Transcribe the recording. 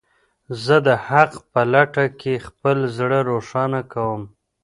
زه د حق په لټه کې خپل زړه روښانه کوم.